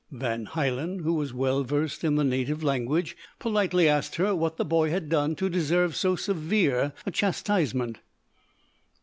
Van Hielen, who was well versed in the native language, politely asked her what the boy had done to deserve so severe a chastisement.